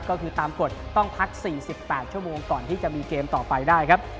ก็คือตามกฎต้องพัก๔๘ชั่วโมงก่อนที่จะมีเกมต่อไปได้ครับ